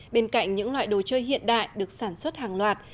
bên cạnh những loại đồ chơi hiện đại được sản xuất hàng loạt